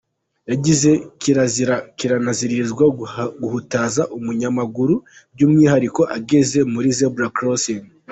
Yagize “Kirazira kiraziririzwa guhutaza umunyamaguru by’umwihariko ageze muri zebra crossing.